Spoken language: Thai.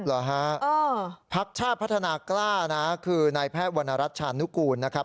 เหรอฮะพักชาติพัฒนากล้านะคือนายแพทย์วรรณรัชชานุกูลนะครับ